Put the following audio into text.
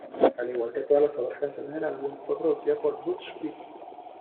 Al igual que todas las otras canciones del álbum, fue producida por Butch Vig.